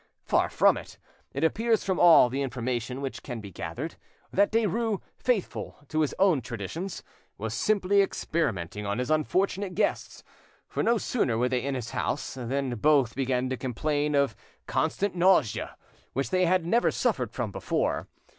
Far from it, it appears from all the information which can be gathered, that Derues, faithful to his own traditions, was simply experimenting on his unfortunate guests, for no sooner were they in his house than both began to complain of constant nausea, which they had never suffered from before.